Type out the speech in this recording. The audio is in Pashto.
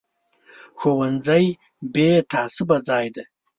ښوونځی بې تعصبه ځای دی